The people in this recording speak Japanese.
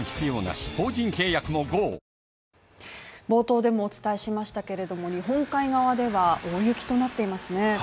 冒頭でもお伝えしましたけれども日本海側では大雪となっていますね。